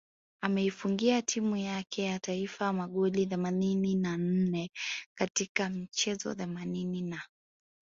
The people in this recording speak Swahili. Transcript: Ameifungia timu yake ya taifa magoli themanini na nne katika michezo themanini na